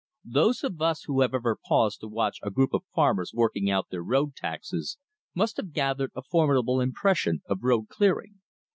Those of us who have ever paused to watch a group of farmers working out their road taxes, must have gathered a formidable impression of road clearing.